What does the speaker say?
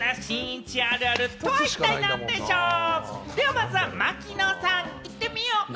まずは槙野さん、いってみよう！